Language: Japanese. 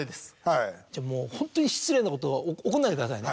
もうホントに失礼なことを怒んないでくださいね。